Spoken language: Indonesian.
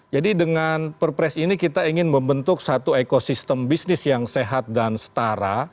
jadi dengan perpres ini kita ingin membentuk satu ekosistem bisnis yang sehat dan setara